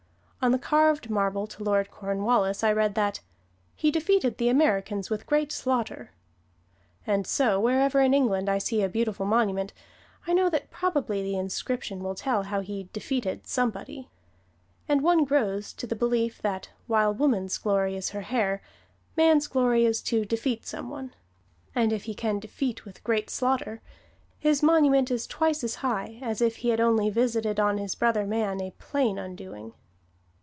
On the carved marble to Lord Cornwallis I read that, "He defeated the Americans with great slaughter." And so, wherever in England I see a beautiful monument, I know that probably the inscription will tell how "he defeated" somebody. And one grows to the belief that, while woman's glory is her hair, man's glory is to defeat some one. And if he can "defeat with great slaughter" his monument is twice as high as if he had only visited on his brother man a plain undoing.